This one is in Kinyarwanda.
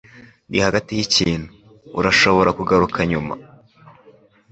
Ndi hagati yikintu. Urashobora kugaruka nyuma?